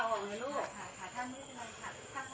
อื้ออื้อ